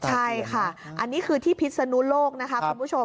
ใช่ค่ะอันนี้คือที่พิศนุโลกนะคะคุณผู้ชม